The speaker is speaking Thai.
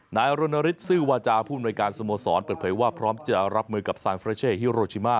นายรณฤทธซื้อวาจาผู้อำนวยการสโมสรเปิดเผยว่าพร้อมจะรับมือกับซานเฟรเช่ฮิโรชิมา